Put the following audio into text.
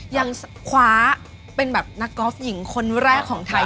ยังคว้าเป็นแบบนักกอล์ฟหญิงคนแรกของไทย